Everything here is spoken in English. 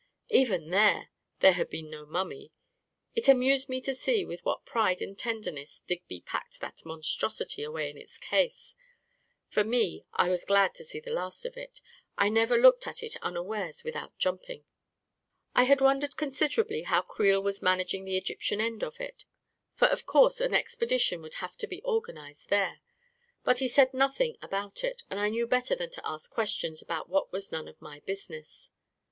Even there, there had beerl no mummy ! It amused me to see with what pride and tenderness Digby packed that monstrosity away in its case ! For me, I was glad to see the last of it. I never looked at it unawares without jumping. A KING IN BABYLON 45 I had wondered considerably how Creel was man aging the Egyptian end of it, for of course an expe dition would have to be organized there ; but he said nothing about it, and I knew better than to ask ques tions about what was none of my business.